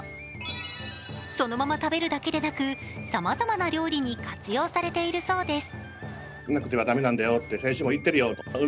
そのまま食べるだけでなくさまざまな料理に活用されているそうなんです。